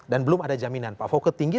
dan belum ada jaminan pak fokke tinggi